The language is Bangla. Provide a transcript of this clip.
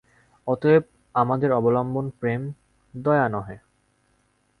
অতএব আমাদের অবলম্বন প্রেম, দয়া নহে।